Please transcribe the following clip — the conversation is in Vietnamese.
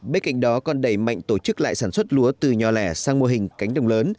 bên cạnh đó còn đẩy mạnh tổ chức lại sản xuất lúa từ nhỏ lẻ sang mô hình cánh đồng lớn